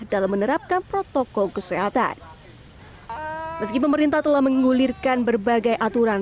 dalam menerapkan protokol kesehatan meski pemerintah telah menggulirkan berbagai aturan